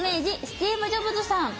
スティーブ・ジョブズさん。